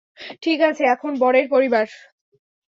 ঠিক আছে, এখন বরের পরিবার।